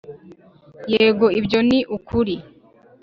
yego, ibyo ni ukuri.